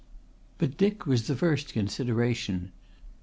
But Dick was the first consideration.